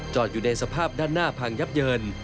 อยู่ในสภาพด้านหน้าพังยับเยิน